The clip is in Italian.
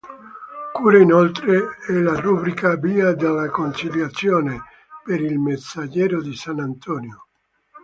Cura inoltre e la rubrica "Via della Conciliazione" per il Messaggero di Sant'Antonio.